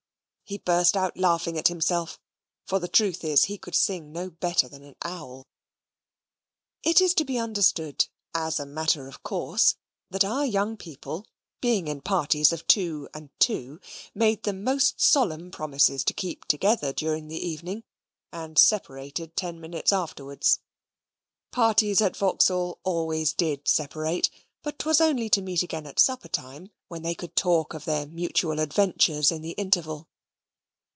He burst out laughing at himself; for the truth is, he could sing no better than an owl. It is to be understood, as a matter of course, that our young people, being in parties of two and two, made the most solemn promises to keep together during the evening, and separated in ten minutes afterwards. Parties at Vauxhall always did separate, but 'twas only to meet again at supper time, when they could talk of their mutual adventures in the interval.